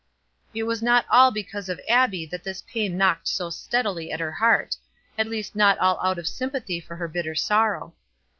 It was not all because of Abbie that this pain knocked so steadily at her heart, at least not all out of sympathy with her bitter sorrow.